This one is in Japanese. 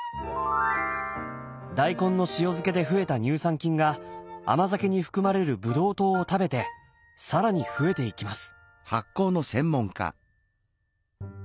大根の塩漬けで増えた乳酸菌が甘酒に含まれるブドウ糖を食べて更に増えていきます。